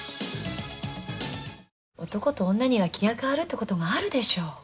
男と女には気が変わるってことがあるでしょう。